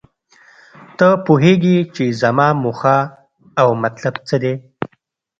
ته پوهیږې چې زما موخه او مطلب څه دی